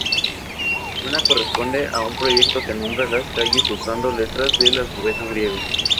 Una corresponde a un proyecto que nombra las calles usando letras del alfabeto griego.